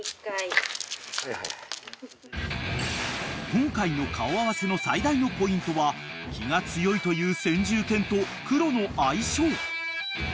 ［今回の顔合わせの最大のポイントは気が強いという先住犬とクロの相性］